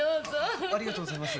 ありがとうございます。